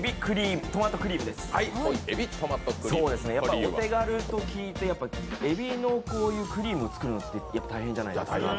お手軽と聞いてえびのクリームを作るのって大変じゃないですか。